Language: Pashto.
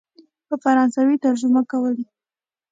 په فرانسوي ترجمه کولې.